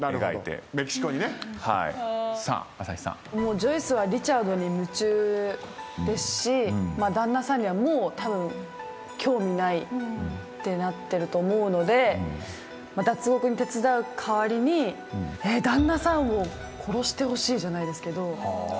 ジョイスはリチャードに夢中ですし旦那さんにはもうたぶん興味ないってなってると思うので脱獄手伝う代わりに旦那さんを殺してほしいじゃないですけど。